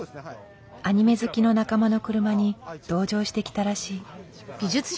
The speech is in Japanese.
アニメ好きの仲間の車に同乗してきたらしい。